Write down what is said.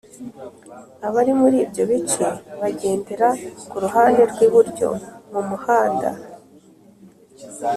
Abari muri ibyo bice bagendera kuruhande rw’iburyo mumuhanda